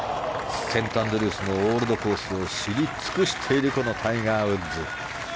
セントアンドリュースのオールドコースを知り尽くしているタイガー・ウッズ。